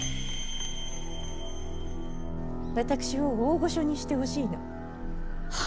私を大御所にしてほしいの。は？